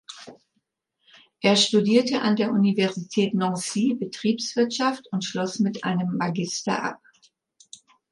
Er studierte an der Universität Nancy Betriebswirtschaft und schloss mit einem Magister ab.